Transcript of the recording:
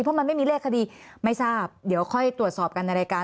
เพราะมันไม่มีเลขคดีไม่ทราบเดี๋ยวค่อยตรวจสอบกันในรายการ